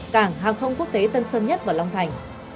cảng hàng không quốc tế tân sơn nhất và long thành